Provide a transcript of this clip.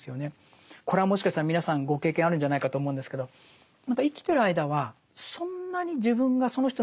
これはもしかしたら皆さんご経験あるんじゃないかと思うんですけど何か生きてる間はそんなに自分がその人のことを思ってると思ってなかった。